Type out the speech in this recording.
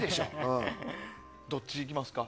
どっちいきますか？